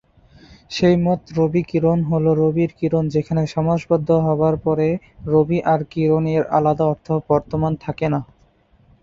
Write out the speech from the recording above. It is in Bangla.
সেই মত রবি-কিরণ হলো রবির কিরণ যেখানে সমাস বদ্ধ হবার পরে রবি আর কিরণ এর আলাদা অর্থ বর্তমান থাকে না।